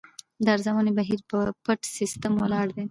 د ارزونې بهیر په پټ سیستم ولاړ دی.